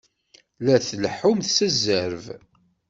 La tleḥḥumt s zzerb!